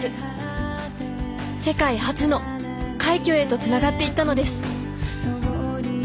世界初の快挙へとつながっていったのです